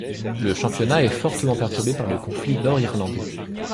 Le championnat est fortement perturbé par le conflit nord-irlandais.